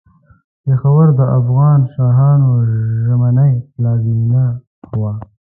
پېښور د افغان شاهانو ژمنۍ پلازمېنه وه.